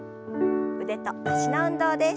腕と脚の運動です。